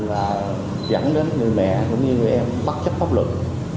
là dẫn đến người mẹ cũng như người em bắt chấp pháp lực